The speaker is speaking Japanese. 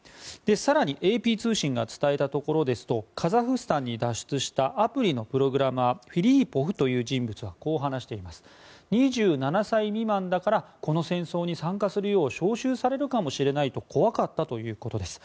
更に、ＡＰ通信が伝えたところですとカザフスタンに脱出したアプリのプログラマーフィリーポフという人物は２７歳未満だからこの戦争に参加するよう招集されるかもしれないと怖かったということです。